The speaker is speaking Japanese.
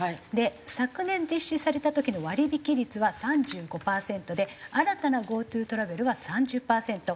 昨年実施された時の割引率は３５パーセントで新たなＧｏＴｏトラベルは３０パーセント。